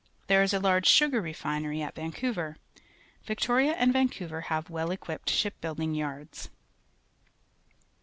There is a large sugar refinery at Vancouver. Victoria and Vancou ver have well equipped ship building yards.